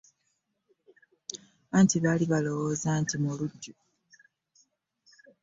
Anti baal balowooza nti mulunji .